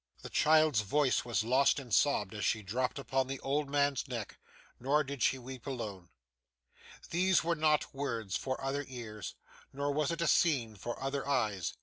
The child's voice was lost in sobs as she dropped upon the old man's neck; nor did she weep alone. These were not words for other ears, nor was it a scene for other eyes.